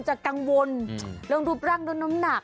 จะกังวลเรื่องรูปรักด้วยน้ำหนัก